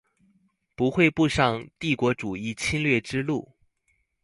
不會步上帝國主義侵略之路